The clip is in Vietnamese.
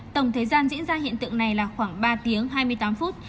tổng thời gian diễn ra hiện tượng này là khoảng ba tiếng hai mươi tám phút